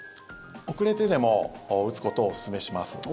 遅れてでも打つことをお勧めします。